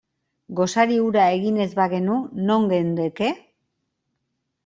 Gosari hura egin ez bagenu, non geundeke?